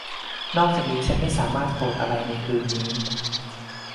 นอกจากนี้ฉันไม่สามารถโกรธอะไรในคืนนี้